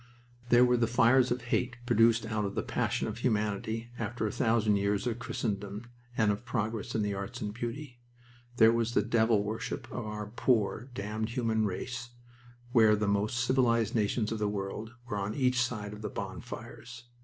There were the fires of hate, produced out of the passion of humanity after a thousand years of Christendom and of progress in the arts of beauty. There was the devil worship of our poor, damned human race, where the most civilized nations of the world were on each side of the bonfires.